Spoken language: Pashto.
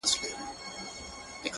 دعا . دعا .دعا . دعا كومه.